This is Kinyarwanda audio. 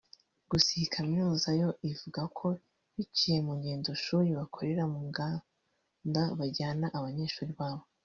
Gusa iyi kaminuza yo ivuga ko biciye mu ngendoshuri bakorera mu nganda bajyana abanyeshuri babo